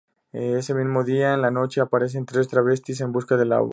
Ese mismo día, en la noche, aparecen tres travestis en busca de la bola.